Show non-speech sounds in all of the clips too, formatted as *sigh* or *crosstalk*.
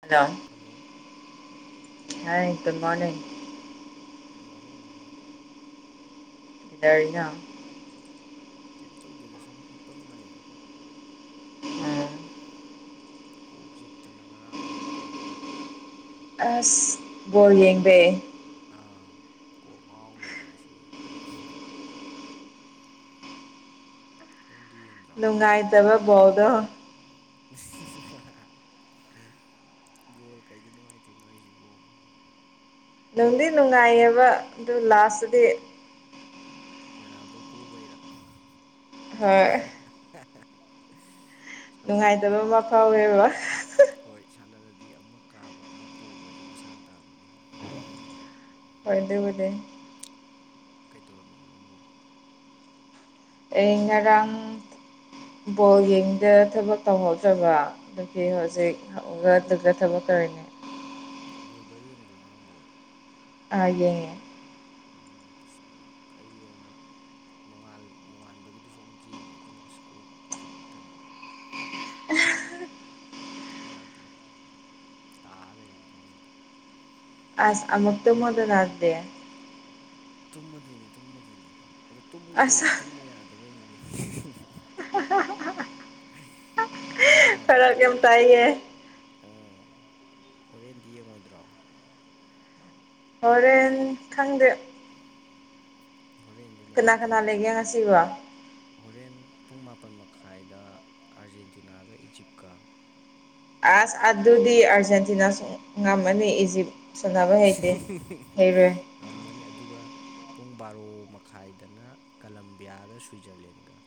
Hello hello ꯍ ꯇ ꯃꯥꯅꯦ ꯃꯣꯔꯅꯤꯡ ꯃꯣꯔꯅꯤꯡ *unintelligible* ꯀꯩꯝ ꯇꯧꯗꯦꯗ ꯁꯨꯝ ꯍꯤꯞꯄꯝꯕꯅꯤꯗ ꯎꯝ ꯀꯣꯛ ꯆꯤꯛꯇꯅ ꯉꯔꯥꯡ ꯑꯍꯤꯡ ꯇꯨꯝꯗꯕꯩ ꯑꯁ ꯕꯣꯜ ꯌꯦꯡꯕꯩ ꯑ ꯀꯣꯛ ꯉꯥꯎ ꯂꯩꯔꯦ ꯉꯁꯤ ꯑꯗꯨꯒꯤ ꯅꯪꯗꯤ ꯌꯦꯡ ꯅꯨꯡꯉꯥꯏꯇꯕ ꯕꯣꯜꯗꯣ ꯕꯣꯜ ꯀꯩꯗ ꯅꯨꯡꯉꯥꯏꯇ꯭ꯔꯤꯅꯣ ꯍꯥꯏꯖꯤꯕꯣ ꯅꯨꯡꯗꯤ ꯅꯨꯡꯉꯥꯏꯌꯦꯕ ꯑꯗꯨ ꯂꯥꯁꯇꯗꯤ ꯔꯣꯅꯥꯜꯗꯣ ꯄꯣꯕꯩꯔꯥ ꯍꯣꯏ ꯅꯨꯡꯉꯥꯏꯇꯕ ꯁꯥꯟꯅꯔꯗꯤ ꯑꯃ ꯐꯥꯎꯋꯦꯕ ꯍꯣꯏ ꯁꯥꯟꯅꯔꯗꯤ ꯑꯃ ꯀꯥꯕ ꯑꯃ ꯄꯣꯕꯁꯦ ꯃꯁꯥꯅ ꯇꯥꯕꯅꯤ ꯫ ꯍꯣꯏ ꯑꯗꯨꯕꯨꯗꯤ ꯀꯩꯗꯧꯔꯝꯃꯤꯅꯣ ꯅꯪꯕꯨ ꯫ ꯑꯩ ꯉꯔꯥꯡ ꯕꯣꯜ ꯌꯦꯡꯕꯗ ꯊꯕꯛ ꯇꯧꯍꯧꯗꯕ ꯫ ꯑꯗꯨꯒꯤ ꯎꯝ ꯍꯧꯖꯤꯛ ꯍꯧꯒꯠꯄꯒ ꯊꯕꯛꯛ ꯇꯧꯔꯤꯅꯤ ꯫ ꯂꯣꯏꯕꯧ ꯌꯦꯡꯕ꯭ꯔꯣ ꯉꯔꯥꯡ ꯕꯣꯜ ꯫ ꯑꯥ ꯌꯦꯡꯉꯦ ꯑꯁ ꯑꯩ ꯑꯃꯨꯛ ꯅꯣꯉꯥꯟ ꯅꯣꯉꯥꯟꯕꯒꯤꯗꯨꯁꯨ ꯑꯃꯨꯛ ꯌꯦꯡꯉꯦ ꯑꯗꯨꯅ ꯀꯣꯛ ꯆꯤꯛꯇꯅ ꯫ ꯌꯥꯗ꯭ꯔꯦ ꯇꯥ ꯂꯩ ꯐꯃꯨꯡꯗ ꯑꯁ ꯑꯃꯨꯛ ꯇꯨꯝꯃꯣꯗꯅ ꯑꯗꯨꯗꯤ ꯫ ꯇꯨꯝꯃꯗꯣꯏꯅꯤ ꯇꯨꯝꯃꯗꯣꯏꯅꯤ ꯑꯗꯨ ꯇꯨꯝꯒꯦ ꯑꯁ ꯇꯧꯕ ꯇꯨꯝꯃꯨ ꯌꯥꯗꯕꯩꯅꯦ ꯫ *unintelligible* ꯐꯔꯛ ꯌꯥꯝ ꯇꯥꯏꯌꯦ ꯫ ꯎꯝ ꯍꯣꯔꯦꯟꯗꯤ ꯌꯦꯡꯉꯣꯏꯗ꯭ꯔꯣ ꯫ ꯍꯣꯔꯦꯟ ꯈꯪꯗꯦ ꯍꯣꯔꯦꯟꯁꯨ ꯀꯅꯥ ꯀꯅꯥ ꯅꯨꯡꯉꯥꯏꯗꯣꯏꯅꯤꯅꯦ ꯂꯩꯒ ꯑꯩꯁ ꯉꯁꯤꯕꯨ ꯫ ꯍꯣꯔꯦꯟ ꯄꯨꯡ ꯃꯥꯄꯟ ꯃꯈꯥꯏꯗ ꯑꯥꯔꯖꯦꯟꯇꯤꯅꯥꯒ ꯏꯖꯤꯞꯀ ꯫ ꯑꯁ ꯑꯗꯨꯗꯤ ꯑꯔꯖꯦꯟꯇꯤꯅꯥ ꯉꯝꯃꯅꯤ ꯏꯖꯤꯞ ꯁꯥꯟꯅꯕ ꯍꯩꯇꯦ ꯍꯩꯔꯣꯏ ꯫ ꯉꯝꯃꯅꯤ ꯑꯗꯨꯒ ꯄꯨꯡ ꯕꯥꯔꯣ ꯃꯈꯥꯏꯗꯅ ꯀꯂꯝꯕꯤꯌꯥꯒ ꯁ꯭ꯋꯤꯖꯔꯂꯦꯟꯒ ꯫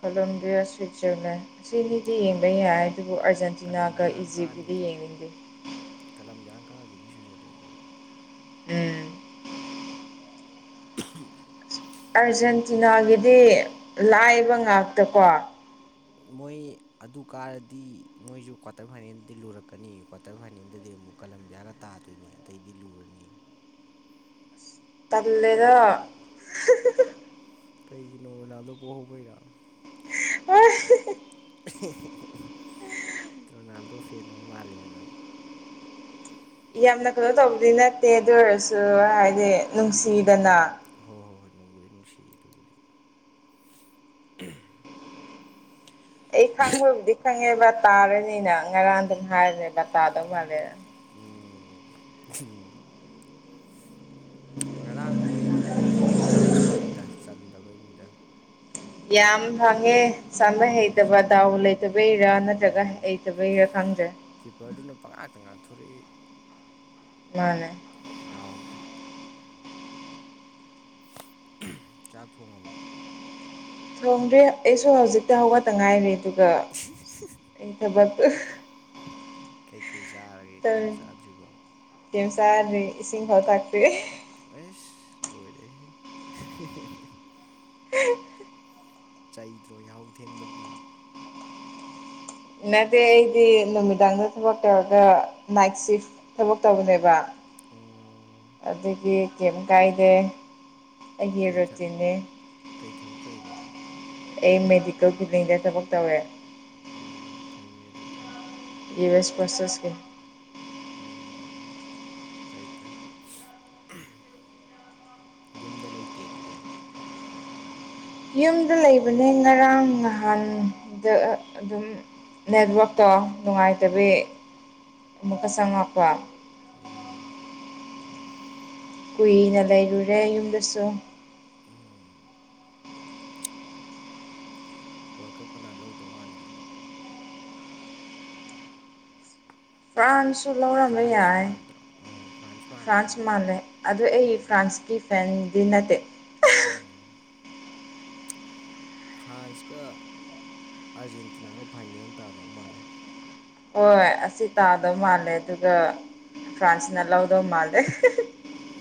ꯀꯂꯣꯕꯤꯌꯥ ꯁ꯭ꯋꯤꯠꯖꯔꯂꯦꯟ ꯑꯁꯤꯅꯤꯗꯤ ꯀꯂꯝ ꯌꯦꯡꯕ ꯌꯥꯏ ꯑꯗꯨꯕꯨ ꯑꯔꯖꯦꯟꯇꯤꯅꯥꯒ ꯀꯂꯝꯕꯤꯌꯥꯅ ꯏꯖꯤꯞꯀꯗꯤ ꯀꯥꯅꯤꯗ ꯌꯦꯡꯅꯤꯡꯗꯦ ꯫ ꯀꯂꯝꯕꯤꯌꯥꯅ ꯀꯥꯒꯤꯅꯤ ꯁꯨꯨꯖꯔꯂꯦꯟꯗꯨꯗꯤ ꯫ ꯎꯝ *unintelligible* ꯑꯥꯔꯖꯦꯟꯇꯤꯅꯥꯒꯤꯗꯤ ꯂꯥꯏꯕ ꯉꯥꯛꯇꯀꯣ ꯫ ꯃꯣꯏ ꯑꯗꯨ ꯀꯥꯔꯗꯤ ꯃꯣꯏꯁꯨ ꯀ꯭ꯋꯥꯇꯔ ꯐꯥꯏꯅꯦꯜꯗꯤ ꯂꯨꯔꯛꯀꯅꯤ ꯀꯋꯥ ꯀ꯭ꯋꯥꯇꯔ ꯐꯥꯏꯅꯦꯜꯗꯗꯤ ꯑꯃꯨꯛ ꯀꯂꯝꯕꯤꯌꯥꯒ ꯇꯥꯗꯣꯏꯅꯦ ꯑꯇꯩꯗꯤ ꯂꯨꯔꯅꯤꯌꯦ ꯫ ꯇꯜꯂꯦꯗ ꯀꯩꯒꯤꯅꯣ ꯔꯣꯅꯥꯜꯗꯣ ꯄꯣꯍꯧꯕꯩꯔꯣ꯫ *unintelligible* ꯔꯣꯅꯥꯜꯗꯣ ꯐꯦꯟ ꯃꯥꯂꯦꯕ ꯅꯪ ꯌꯥꯝꯅ ꯀꯩꯅꯣ ꯇꯧꯕꯗꯤ ꯅꯠꯇꯦ ꯑꯗꯨ ꯑꯣꯏꯔꯁꯨ ꯍꯥꯏꯗꯤ ꯅꯨꯡꯁꯤꯗꯅ ꯫ ꯍꯣꯏ ꯍꯣꯏ ꯍꯣꯏ ꯅꯡꯕꯨꯗꯤ ꯅꯨꯡꯁꯤꯌꯦ ꯑꯗꯨꯕꯨꯗꯤ ꯫ ꯑꯩ ꯈꯪꯕꯕꯨꯗꯤ ꯈꯪꯉꯦꯕ ꯇꯥꯔꯅꯤꯅ ꯉꯔꯥꯡ ꯑꯗꯨꯝ ꯍꯥꯏꯕꯅꯦꯕ ꯇꯥꯗꯧ ꯃꯥꯜꯂꯦꯅ ꯫ ꯎꯝ *inaudible* ꯉꯔꯥꯡ ꯃꯣꯏ ꯃꯣꯏꯁꯨ ꯆꯥꯟꯁ ꯐꯪꯉꯤꯗ ꯆꯟꯗꯕꯩꯅꯤꯗ ꯌꯥꯝ ꯐꯪꯉꯦ ꯁꯥꯟꯅ ꯐꯪꯉꯦ ꯍꯩꯇꯕ ꯗꯥꯎ ꯎꯝ ꯂꯩꯇꯕꯩꯔꯥ ꯃꯥꯅꯦ ꯅꯠꯇ꯭ꯔꯒ ꯃꯥꯅꯦ ꯍꯩꯇꯕꯩꯔꯥ ꯈꯪꯗ꯭ꯔꯦ ꯀꯤꯞꯄꯔꯗꯨꯅ ꯄꯉꯥꯛꯇ ꯉꯥꯛꯊꯣꯔꯛꯏ ꯃꯥꯅꯦ ꯗꯥꯎꯗꯤ ꯆꯥꯛ ꯊꯣꯡꯉꯕꯣ ꯂꯣꯡꯗ꯭ꯔꯦ ꯑꯩꯁꯨ ꯍꯧꯖꯤꯛꯇꯤ ꯍꯧꯒꯠꯇ ꯉꯥꯏꯔꯤ ꯑꯗꯨꯒ *unintelligible* ꯑꯩ ꯊꯕꯛ ꯀꯩꯀꯩ ꯆꯥꯔꯒꯦ ꯀꯔꯝ ꯆꯥꯗ꯭ꯔꯤꯕꯣ ꯀꯦꯝꯁꯥ ꯏꯁꯤꯡꯤꯡ ꯍꯠꯥꯛꯇꯦ ꯑ ꯂꯣꯏꯔ ꯍꯦ *unintelligible* ꯆꯩꯗ꯭ꯔꯣ ꯌꯥꯍꯧ ꯊꯦꯡꯕꯒꯤ ꯅꯗꯦ ꯑꯩꯗꯤ ꯅꯨꯃꯤꯗꯥꯡꯗ ꯊꯕꯛ ꯇꯧꯔꯒ ꯅꯥꯏꯠ ꯁꯤꯐ ꯊꯕꯛ ꯇꯧꯕꯅꯦꯕ ꯑꯣ ꯑꯗꯨꯗꯒꯤ ꯀꯦꯝ ꯀꯥꯏꯗꯦ ꯑꯩꯒꯤ ꯀꯩ ꯊ ꯔꯨꯇꯤꯦ ꯀꯩ ꯊꯕꯛꯇꯔꯤꯅꯣ ꯑꯩ ꯃꯦꯗꯤꯀꯦꯜ ꯀ꯭ꯂꯤꯅꯤꯛꯗ ꯊꯕꯛ ꯇꯧꯋꯦ ꯑꯣ ꯐꯩꯅꯦ ꯑꯗꯨꯗꯤ ꯌꯨ ꯑꯦꯁ ꯄꯔꯁꯦꯁꯀꯤ ꯑꯣ ꯐꯥꯏ ꯐꯥꯏ ꯌꯨꯝꯗ ꯂꯩꯇꯦ ꯑꯗꯨꯗꯤ ꯌꯨꯝꯗ ꯂꯩꯕꯅꯦ ꯉꯔꯥꯡ ꯅꯍꯥꯟꯗ ꯑꯗꯨꯝ ꯅꯦꯠꯋꯥꯛꯛꯇꯣ ꯅꯨꯡꯉꯥꯏꯇꯕꯤ ꯑꯃꯨꯛꯀ ꯆꯪꯉꯛꯄ ꯎꯝ ꯀꯨꯏꯅ ꯂꯩꯔꯨꯔꯦ ꯌꯨꯝꯗꯁꯨ ꯎꯝ ꯋꯥꯔꯜ ꯀꯞ ꯀꯅꯥ ꯂꯧꯗꯧ ꯃꯥꯟꯒꯦ ꯐ꯭ꯔꯥꯟꯁꯁꯨ ꯂꯧꯔꯝꯕ ꯐ꯭ꯔꯥꯟꯁ ꯌꯥꯏ ꯃꯥꯟꯗ꯭ꯔꯣ ꯎꯝ ꯃꯥꯜꯂꯤꯀꯣ ꯐ꯭ꯔꯥꯟꯁ ꯃꯥꯜꯂꯦ ꯑꯗꯨ ꯑꯩ ꯎꯝ ꯐ꯭ꯔꯥꯟꯁꯀꯤ ꯆꯗꯤ ꯅꯠꯇ ꯎꯝ ꯐ꯭ꯔꯥꯟꯁꯀ ꯑꯥꯔꯖꯦꯟꯇꯤꯅꯥꯒ ꯐꯥꯏꯅꯦꯜ ꯇꯥꯗꯧ ꯃꯥꯜꯂꯦ ꯍꯣꯏ ꯑꯁꯤ ꯇꯥꯗꯧ ꯃꯥꯜꯂꯦ ꯑꯗꯨꯒ ꯐ꯭ꯔꯥꯟꯁꯅ ꯂꯧꯗꯧ ꯃꯥꯜꯂꯦ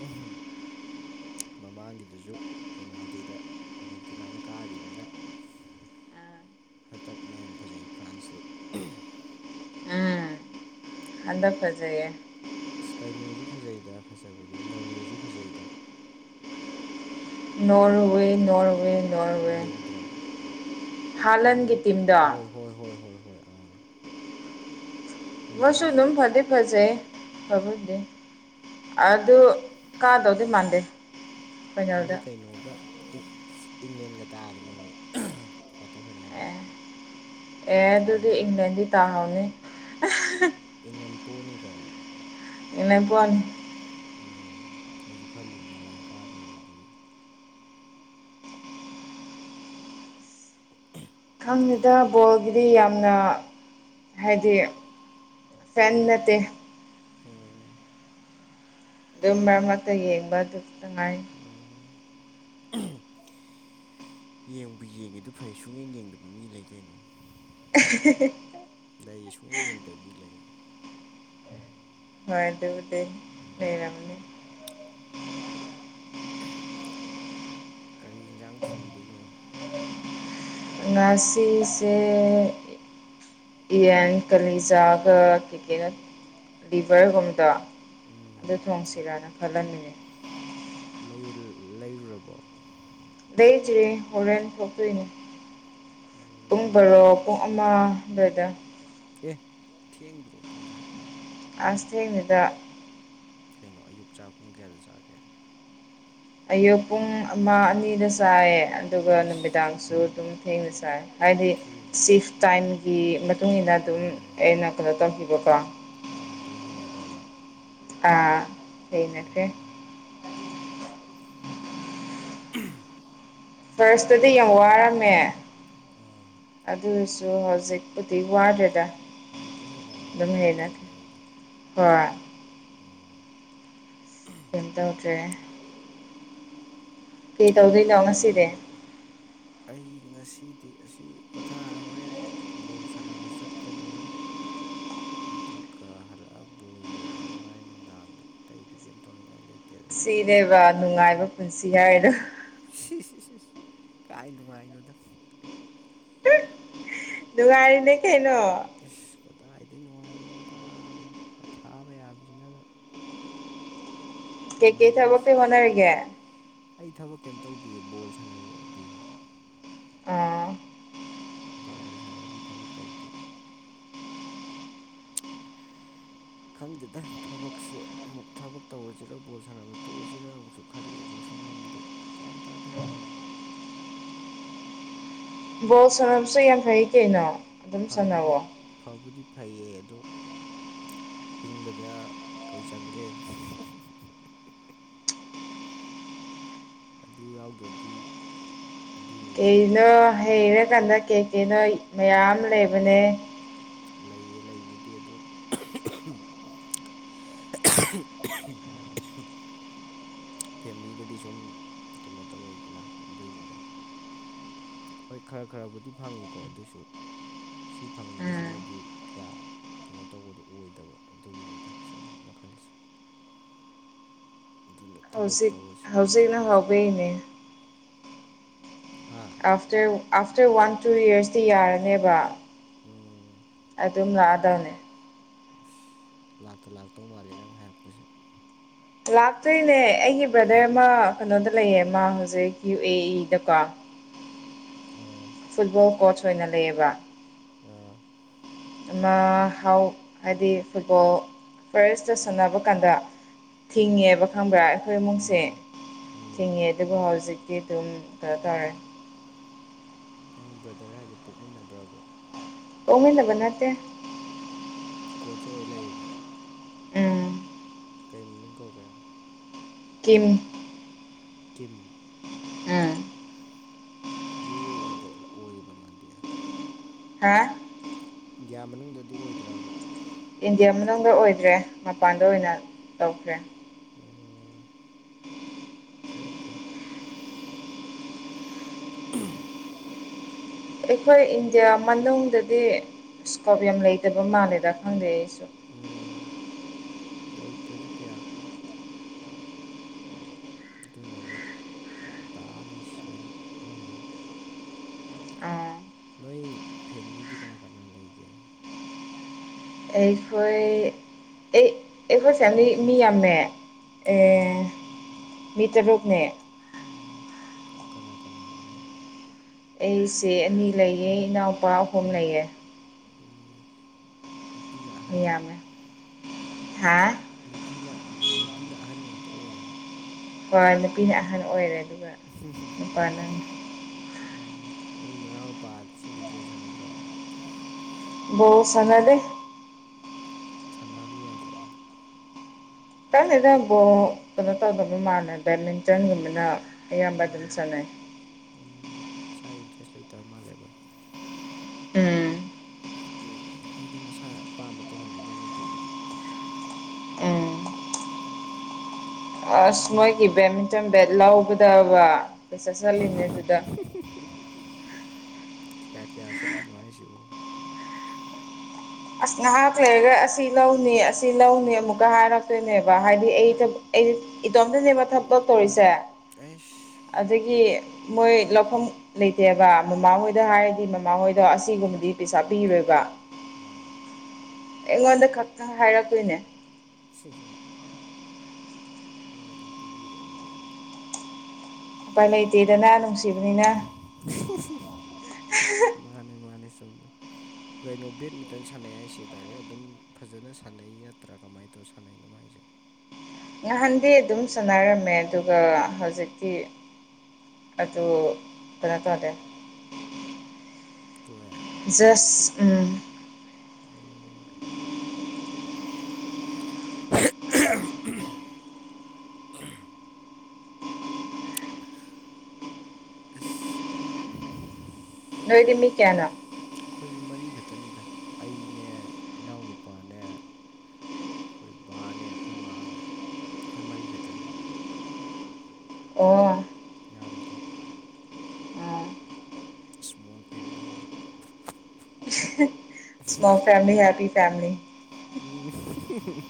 ꯎꯍꯨꯝ ꯃꯃꯥꯡꯒꯤꯗꯨꯁꯨ ꯄꯦꯅꯥꯜꯇꯤꯗ ꯑꯥꯔꯖꯦꯟꯇꯤꯅꯥꯅ ꯀꯥꯒꯤꯈꯤꯕꯅꯤꯅ ꯑ ꯍꯟꯇꯛꯅꯦ ꯑꯅ ꯐꯖꯩ ꯐ꯭ꯔꯥꯟꯁꯇ ꯑꯗ ꯄꯖꯦ ꯁ꯭ꯀꯥꯏꯅꯣꯁꯨ ꯐꯖꯩꯗ ꯐꯖꯕꯗꯤ ꯅꯣꯔꯋꯦꯁꯨ ꯐꯖꯩꯗ ꯅꯣꯔꯋꯦ ꯅꯣꯔꯋꯦ ꯅꯣꯔꯋꯦ ꯌꯦꯡꯗ꯭ꯔꯣ ꯅ ꯍꯥꯂꯟꯒꯤ ꯇꯤꯝꯗꯣ ꯍꯣꯏꯣꯏ ꯍꯣꯏ ꯍꯣꯏ ꯍꯣꯏ ꯍꯣꯏ ꯑꯥ ꯃꯣꯏꯁꯨ ꯋꯥꯁꯨ ꯑꯗꯨꯝ ꯐꯖꯩ ꯐꯗꯤ ꯐꯖꯩ ꯐꯕꯗꯤ ꯑꯗꯨ ꯀꯥꯗꯧꯗꯤ ꯃꯥꯟꯗꯦ ꯃꯣꯏ ꯐꯥꯏꯅꯦꯜꯗ ꯀꯩꯅꯣꯒ ꯏꯪꯂꯦꯟꯒ ꯇꯥꯕꯅꯦ ꯃꯣꯏ ꯀ꯭ꯋꯥꯇꯔ ꯐꯥꯏꯅꯦꯜꯗ ꯑꯦ ꯑꯗꯨꯗꯤ ꯅꯨꯡꯉꯥꯏꯅꯤ ꯏꯪꯂꯦꯟꯗꯤ ꯇꯥꯍꯥꯎꯅꯤ ꯏꯪꯂꯦꯟ ꯄꯣꯅꯤꯀꯣ ꯏꯩꯅ ꯐꯣꯅꯤ ꯎꯝ ꯑꯩꯁꯨ ꯈꯜꯂꯤ ꯅꯣꯡꯂꯦꯟ ꯀꯥꯅꯦꯕ ꯑꯗꯨꯗꯤ ꯍꯥꯟꯅꯗ ꯕꯣꯜꯒꯤꯗꯤ ꯌꯥꯝꯅ ꯍꯥꯏꯗꯤ ꯇꯟꯅꯗ ꯎꯝ ꯑꯗꯨꯝ ꯃꯔꯝ ꯑꯃꯇ ꯌꯦꯡꯕ ꯑꯗꯨꯇꯉꯥꯏ ꯎ ꯌꯦꯡꯕꯨ ꯌꯦꯡꯉꯦ ꯑꯗꯨ ꯐꯩ ꯁꯨꯡꯌꯦꯡ ꯌꯦꯡꯗꯕ ꯃꯤ ꯂꯩ ꯀꯩꯅꯣ *unintelligible* ꯂꯩ ꯁꯨꯡꯅ ꯌꯦꯡꯗꯕꯤ ꯂꯩ ꯍ ꯑꯗꯨꯕꯨꯗꯤ ꯎꯝ ꯂꯩꯔꯝꯅꯤ ꯀꯔꯤ ꯌꯦꯟꯖꯥꯡ ꯊꯣꯡꯗꯣꯏꯅꯣ ꯉꯅꯥꯁꯤꯁ ꯏ ꯑꯦꯟ ꯀꯂꯤꯖꯥꯒ ꯀꯦꯀꯦꯅ ꯂꯤꯚꯔꯒꯣꯨꯝꯗ ꯑꯗꯨ ꯎꯝ ꯊꯣꯡꯁꯤꯔꯅ ꯈꯜꯍꯟꯅꯤꯡꯅꯦ ꯂꯩꯔꯨ ꯂꯩꯔꯨꯔꯕꯣ ꯂꯩꯩ ꯆꯔꯤ ꯍꯣꯔꯦꯟ ꯊꯄꯣꯏꯅꯤ ꯎꯝ ꯄꯨꯡ ꯕꯔꯣ ꯄꯨꯡ ꯑꯃ ꯑꯗꯨꯋꯥꯏꯗ ꯀ ꯊꯦꯡꯗ꯭ꯔꯣꯇꯨꯖ ꯑꯁ ꯊꯦꯡꯅꯤꯗ ꯀꯩꯅꯣ ꯑꯌꯨꯛ ꯆꯥꯛ ꯀꯨꯝ ꯀꯌꯥꯗ ꯆꯥꯒꯦ ꯑꯌꯨꯛ ꯄꯨꯡ ꯑꯃ ꯑꯅꯤꯗ ꯆꯥꯏ ꯑꯗꯨꯒ ꯑꯁ ꯅꯨꯃꯤꯗꯥꯡꯁꯨ ꯑꯗꯨꯝ ꯊꯦꯡꯅ ꯆꯥꯏ ꯍꯥꯏꯗꯤ ꯊꯦꯡꯉꯦ ꯁꯤꯐ ꯇꯥꯏꯝꯒꯤ ꯃꯇꯨꯡ ꯏꯟꯅ ꯑꯗꯨꯝ ꯑꯩꯅ ꯀꯩꯅꯣ ꯇꯧꯈꯤꯕꯀꯣ ꯑꯗꯨꯒꯤ ꯍꯩꯅꯈ꯭ꯔꯕ ꯑ ꯀꯩꯅꯠꯇꯦ ꯎꯝ *unintelligible* ꯐꯥꯔꯁꯇꯗꯤ ꯌꯥꯝ ꯋꯥꯔꯝꯃꯦ ꯑꯥ ꯑꯗꯨꯁꯨ ꯍꯧꯖꯤꯛꯄꯨꯗꯤ ꯋꯥꯗꯦꯗ ꯍꯧꯖꯤꯛꯇꯤ ꯍꯩꯅꯔꯕꯅꯤꯅ ꯀꯩꯝ ꯇꯧꯔꯝꯃꯔꯣꯏꯗꯣ ꯍ ꯎꯝ ꯑꯦꯇꯧꯗ꯭ꯔꯦ ꯀꯩ ꯇꯧꯗꯣꯏ ꯂꯣꯑꯣ ꯉ ꯁꯤꯅꯦ ꯑꯩ ꯉꯁꯤꯗꯤ ꯑꯁꯤ ꯄꯣꯊꯥ ꯍꯣꯔꯦꯟ ꯕꯣꯜ ꯁꯥꯟꯅꯕ ꯆꯠꯀꯅꯤ *inaudible* ꯑꯗꯨꯒ ꯍꯜꯂꯛꯑ ꯕꯣꯜ ꯌꯦꯡꯗꯧ ꯃꯉꯥꯏꯔꯦ ꯅꯨꯡꯗꯥꯡꯗ ꯑꯇꯩꯗꯤ ꯀꯩꯝ ꯇꯧꯅꯤꯡꯉꯥꯏ ꯂꯩꯇꯦꯗ ꯁꯤꯅꯦꯕ ꯅꯨꯡꯉꯥꯏꯕ ꯄꯨꯟꯁꯤ ꯍꯥꯏꯗꯣ ꯁꯤ ꯁꯤ ꯀꯥꯏ ꯅꯨꯡꯉꯥꯏꯅꯣꯗꯪ ꯅꯨꯡꯉꯔꯤ ꯅ ꯀꯦꯩꯅ ꯏꯁꯁ ꯀꯗꯥꯏꯗ ꯅꯨꯡꯉꯥꯏꯔꯤꯕꯅꯣꯗ ꯑꯊꯥꯕ ꯌꯥꯕꯁꯤꯅ *inaudible* ꯀꯩꯀꯩ ꯅꯨꯡꯉꯥꯏꯕꯒꯦꯁ ꯊꯕꯛꯇꯤ ꯍꯣꯠꯅꯔꯤꯒꯦ ꯑꯩ ꯊꯕꯛ ꯀꯩꯝ ꯇꯧꯗꯦ ꯕꯣꯜ ꯁꯥꯟꯅꯩ ꯑꯩꯗꯤ ꯑ ꯕꯣꯜ ꯂꯣꯏꯁꯥꯟꯅꯔꯤ ꯊꯕꯛ ꯇꯧꯗꯦ ꯈꯪꯗꯦꯗ ꯊꯕꯛꯁꯦ ꯑꯃꯨꯛ ꯊꯕꯛ ꯇꯧꯔꯁꯤꯔꯥ ꯕꯣꯜ ꯁꯥꯟꯅꯕ ꯇꯣꯛꯑꯁꯤꯔꯥ ꯑꯃꯨꯛꯁꯨ ꯈꯜꯂꯤ ꯑꯃꯨꯛꯁꯨ ꯉꯝꯗꯦ ꯀꯒ꯭ꯌꯥꯟ ꯇꯥꯗꯦꯅ ꯕꯣꯜ ꯁꯅꯕꯁꯨ ꯌꯥꯝ ꯐꯩ ꯀꯩꯅꫭ꯫ ꯐꯕꯅꯤ꯫ ꯐꯕꯨꯗꯤ ꯐꯩꯌꯦ ꯑꯗꯣ ꯍꯤꯡꯕꯗ ꯀꯩ ꯆꯪꯒꯦ꯫ ꯑꯗꯨ ꯌꯥꯎꯗ꯭ꯔꯗꯤ ꯑꯗꯨꯏꯅꯤꯅꯦ ꯀꯩꯅꯣ ꯍꯩꯔꯀꯥꯟꯗ ꯀꯦꯛ ꯀꯩꯅꯣ ꯃꯌꯥꯝ ꯂꯩꯕꯅꯦ꯫ ꯂꯩꯌꯦ ꯂꯩꯕꯨꯗꯤ ꯑꯗꯣ *unintelligible* ꯐꯦꯝꯂꯤꯗꯗꯤ ꯁꯨꯝ ꯀꯩꯅꯣ ꯇꯧꯔꯛꯏꯗꯅ ꯑꯗꯨꯒꯤꯅꯤꯗ꯫ ꯍꯣꯏ ꯈꯔ ꯈꯔꯕꯨꯗꯤ ꯐꯪꯉꯤꯀꯣ ꯑꯗꯨꯏꯁꯨ ꯁꯤ ꯐꯪꯕꯁꯤꯅꯗꯤ ꯀꯌꯥ ꯀꯩꯅꯣ ꯇꯧꯕꯗꯨ ꯑꯣꯏꯗꯕ ꯑꯗꯨꯒꯤꯅꯤꯗ ꯁꯨꯝ ꯋꯥꯈꯜꯁꯦ꯫ ꯑꯗꯨꯅ ꯊꯕꯛ ꯍꯧꯖꯤꯛ ꯇꯧꯔꯁꯤꯔ ꯍꯧꯖꯤꯛꯅ ꯑꯃꯨꯛꯁꯨ ꯈꯜꯂꯤ ꯍꯧꯕꯩꯅꯦ ꯍꯥ꯫ ꯑꯥꯐꯇꯔ ꯑꯥꯐꯇꯔ ꯋꯥꯟ ꯇꯨ ꯌꯔꯁꯇꯤ ꯌꯥꯔꯅꯦꯕ꯫ ꯎꯝ ꯑꯗꯨꯝ ꯂꯛꯑꯗꯧꯅꯦ꯫ ꯁ ꯂꯥꯛꯇ ꯂꯥꯛꯇꯧ ꯃꯥꯜꯂꯦ ꯅꯪ ꯍꯥꯏꯔꯛꯄꯁꯦ꯫ ꯂꯥꯛꯇꯣꯏꯅꯦ ꯑꯩꯒꯤ ꯕ꯭ꯔꯗꯔ ꯑꯃ ꯀꯩꯅꯣꯗ ꯂꯩꯌꯦ ꯃꯥ ꯍꯧꯖꯤꯛ ꯌꯨ ꯑꯦ ꯏ ꯗꯀꯣ꯫ ꯑꯣ꯫ ꯐꯨꯠꯕꯣꯜ ꯀꯣꯆ ꯑꯣꯏꯅ ꯂꯩꯌꯦꯕ꯫ ꯑꯥ꯫ ꯑꯃ ꯍꯥꯎ ꯍꯥꯏꯗꯤ ꯐꯨꯠꯕꯣꯜ ꯐꯥꯔꯦꯁꯇ ꯁꯥꯟꯅꯕ ꯀꯥꯟꯗ ꯊꯤꯡꯉꯦꯕ ꯈꯪꯕ꯭ꯔꯥ ꯑꯩꯈꯣꯏ ꯏꯃꯨꯡꯁꯦ ꯎꯝ ꯎꯝ ꯊꯤꯡꯉꯦ꯫ ꯗꫭꯀꫭ ꯍꯥꯎꯖꯤꯛꯇꯤ ꯑꯗꯨꯝ ꯀꯩꯅꯣ ꯇꯥꯔꯦ꯫ ꯅꯪ ꯕ꯭ꯔꯗꯔ ꯍꯥꯏꯁꯦ ꯄꯣꯛꯃꯤꯟꯅꯕ꯭ꯔꯥꯕ꯫ ꯄꯣꯛꯃꯤꯟꯅꯕ ꯅꯠꯇꯦ꯫ ꯀꯣꯆ ꯑꯣꯏ ꯂꯩꯌꯦꯕ꯫ ꯎꯝ꯫ ꯀꯩ ꯃꯃꯤꯡ ꯀꯧꯒꯦ꯫ ꯀꯤꯝ꯫ ꯀꯤꯝ꯫ ꯎꯝ꯫ ꯌꯨ ꯑꯦ ꯏ ꯗ ꯑꯣꯏꯕ ꯃꯗꯤ꯫ ꯍꯥ꯫ ꯏꯟꯗꯤꯌꯥ ꯃꯅꯨꯡꯗꯗꯤ ꯑꯣꯏꯗ꯭ꯔꯥꯕ꯫ ꯏꯟꯗꯤꯌꯥ ꯃꯅꯨꯡꯗ ꯑꯣꯏꯗ꯭ꯔꯦ ꯃꯄꯥꯟꯗ ꯑꯣꯏꯅ ꯇꯧꯈ꯭ꯔꯦ꯫ ꯎꯝ꯫ ꯐꯩ ꯐꯩ꯫ *unintelligible* ꯑꯩꯈꯣꯏ ꯏꯟꯗꯤꯌꯥ ꯃꯅꯨꯡꯗꯗꯤ ꯏꯁꯀꯣꯄ ꯌꯥꯝ ꯂꯩꯇꯕ ꯃꯥꯜꯂꯦꯗ ꯈꯪꯗꯦ ꯑꯩꯁꯨ꯫ ꯎꯝ ꯂꯩꯇꯦꯗ ꯀꯌꯥ꯫ ꯑꯗꯨꯅꯅꯦ ꯇꯥ ꯂꯩꯁꯤ ꯂꯣꯏꯅ ꯑꯅꯥꯝꯕꯅ꯫ ꯑꯥ ꯅꯣꯏ ꯐꯦꯃꯤꯂꯤꯗꯤ ꯀꯅꯥ-ꯀꯅꯥ ꯂꯩꯒꯦ꯫ ꯑꯩꯈꯣꯏ ꯑꯩ ꯑꯩꯈꯣꯏ ꯐꯦꯃꯤꯂꯤ ꯃꯤ ꯌꯥꯝꯃꯦ꯫ ꯑꯣ ꯑꯦ ꯃꯤ ꯇꯔꯨꯛꯅꯦ꯫ ꯎꯝ ꯀꯅꯥ ꯀꯅꯥꯅꯣꯅꯦ꯫ ꯑꯩ ꯆꯦ ꯑꯅꯤ ꯂꯩꯌꯦ ꯏꯅꯥꯎꯄꯥ ꯑꯍꯨꯝ ꯂꯩꯌꯦ꯫ *unintelligible* ꯅꯨꯄꯤꯅ ꯑ *unintelligible* ꯅꯨꯄꯤꯅ ꯅꯨꯄꯤꯅ ꯑꯍꯟ ꯉꯛꯇ ꯑꯣꯏꯔꯦ꯫ ꯍꯣꯏ ꯅꯨꯄꯤꯅ ꯑꯍꯟ ꯑꯣꯏꯔꯦ ꯑꯗꯨꯒ ꯅꯨꯄꯥꯅꯪ ꯎꯝ ꯅꯣꯏ ꯅꯅꯥꯎ ꯅꯨꯄꯥꯁꯤꯡꯗꯤ ꯕꯣꯜ ꯁꯥꯟꯅꯗ꯭ꯔꯣ꯫ ꯕꯣꯜ ꯁꯟꯅꯗꯦ ꯁꯥꯟꯅꯍꯜꯂꯨ ꯌꯥꯗ꯭ꯔꯣ ꯎꯝ *unintelligible* ꯎꯝ ꯃꯁꯥꯒꯤ ꯏꯟꯇꯔꯦꯁ ꯂꯩꯇꯕ ꯃꯥꯜꯂꯦꯕ ꯎꯝ ꯎꯝ ꯍꯣꯏꯗ ꯃꯁꯥꯅ ꯑꯄꯥꯝꯕ ꯇꯧꯍꯟꯒꯗꯕꯅꯤꯗ ꯑꯗꯨꯕꯨꯗꯤ ꯎꯝ ꯑꯁ ꯃꯣꯏꯒꯤ ꯕꯦꯠꯃꯤꯟꯇꯟ ꯕꯦꯠ ꯂꯧꯒꯗꯕ ꯄꯩꯁꯥ ꯆꯠꯂꯤꯅꯦ ꯑꯗꯨꯗ *inaudible* ꯀꯌꯥ ꯀꯌꯥ ꯆꯠꯂꯤꯅꯣ ꯍꯥꯏꯁꯤꯕꯣ ꯑꯁ ꯉꯥꯏꯍꯥꯛ ꯂꯩꯔꯒ ꯑꯁꯤ ꯂꯧꯅꯤ ꯑꯁꯤ ꯂꯧꯅꯤ ꯑꯃꯨꯛꯀ ꯍꯥꯏꯔꯛꯇꯣꯏꯅꯦꯕ ꯍꯥꯏꯗꯤ ꯑꯩ ꯑꯩ ꯏꯇꯣꯝꯇꯅꯦꯕ ꯊꯕꯛ ꯇꯧꯔꯤꯁꯦ ꯑꯩꯁ ꯑꯗꯨꯒꯤ ꯃꯣꯏ ꯂꯧꯐꯝ ꯂꯩꯇꯦꯕ ꯃꯃꯥꯍꯣꯏꯗ ꯍꯥꯏꯔꯗꯤ ꯃꯃꯥꯍꯣꯏꯗꯣ ꯑꯁꯤꯒꯨꯝꯕꯗꯤ ꯄꯩꯁꯥ ꯄꯤꯔꯣꯏꯕ ꯎꯝ ꯑꯩꯉꯣꯟꯗ ꯈꯛꯇꯪ ꯍꯥꯏꯔꯛꯇꯣꯏꯅꯦ ꯁꯤ ꯅꯪꯅ ꯑꯗꯨꯝ ꯄꯤꯕꯤꯔꯦ ꯑꯗꯨꯗꯤ ꯎꯄꯥꯏ ꯂꯩꯇꯦꯗꯅ ꯅꯨꯡꯁꯤꯕꯅꯤꯅ ꯃꯥꯅꯤ ꯃꯥꯅꯤ ꯆꯨꯝꯃꯤ ꯀꯩꯅꯣ ꯕꯦꯠꯃꯤꯟꯇꯟ ꯁꯥꯟꯅꯩ ꯍꯥꯏꯁꯦ ꯗꯥꯏꯔꯦꯛ ꯑꯗꯨꯝ ꯐꯖꯅ ꯁꯥꯟꯅꯩ ꯅꯠꯇ꯭ꯔꯥ ꯀꯃꯥꯏꯅ ꯇꯧ ꯁꯥꯟꯅꯩꯅꯣ ꯃꯥꯏꯁꯦ ꯉꯍꯥꯟꯗꯤ ꯑꯗꯨꯝ ꯁꯥꯟꯅꯔꯝꯃꯦ ꯑꯗꯨꯒ ꯍꯧꯖꯤꯛꯇꯤ ꯑꯗꯨ ꯀꯅꯣ ꯇꯧꯗꯦ ꯇꯣꯛꯑꯦ ꯖꯁ ꯎꯝ ꯎꯝ ꯑ ꯏꯁ ꯅꯣꯏꯗꯤ ꯃꯤ ꯀꯌꯥꯅꯣ ꯑꯩꯈꯣꯏꯒꯤ ꯃꯔꯤꯈꯛꯇꯅꯤꯗ ꯑꯩꯅꯦ ꯏꯅꯥꯎꯅꯄꯥꯅꯦ ꯑꯩꯈꯣꯏ ꯕꯥꯅꯦ ꯑꯩꯈꯣꯏ ꯃꯥꯅꯦ ꯑꯩꯈꯣꯏ ꯃꯔꯤꯈꯛꯇꯅꯤ ꯑꯣ ꯌꯥꯝꯗꯦ ꯎꯝ ꯏꯁꯃꯣꯜ ꯐꯦꯃꯤꯂꯤꯅꯤ ꯁꯃꯣꯜ ꯐꯦꯝꯂꯤ ꯍꯦꯞꯄꯤ ꯐꯝꯂꯤ ꯎꯝ